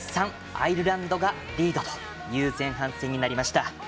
アイルランドがリードという前半戦になりました。